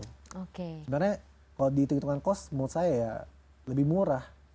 sebenarnya kalau diitungkan kos menurut saya ya lebih murah